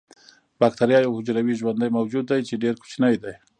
باکتریا یو حجروي ژوندی موجود دی چې ډیر کوچنی دی